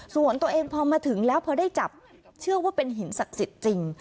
ส่วนตัวเองพอมาถึงแล้วเพราะได้เจอว่าเป็นหินศักดิ์จริง